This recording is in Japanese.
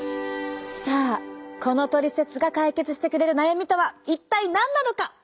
さあこのトリセツが解決してくれる悩みとは一体何なのか？